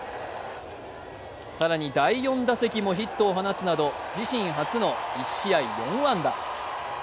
更に第４打席もヒットを放つなど自身初の１試合４安打。